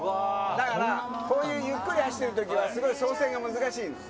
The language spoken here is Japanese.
だから、こういうゆっくり走っているときは、すごい操船が難しいのよ。